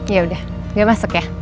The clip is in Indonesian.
yaudah gue masuk ya